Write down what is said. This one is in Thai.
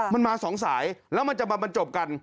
มันมา๒สายแล้วมันจะมาบรรจบกัน